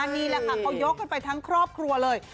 นี่แหละค่ะเขายกกันไปทั้งครอบครัวเลย